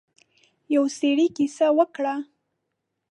يو سړی کيسه وکړه.